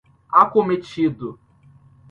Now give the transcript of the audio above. acometido